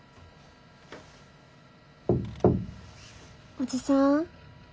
・おじさん？